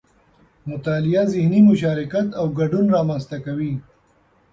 مطالعه ذهني مشارکت او ګډون رامنځته کوي